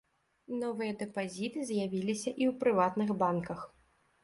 Новыя дэпазіты з'явіліся і ў прыватных банках.